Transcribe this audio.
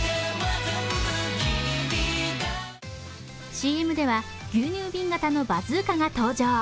ＣＭでは牛乳瓶型のバズーカが登場。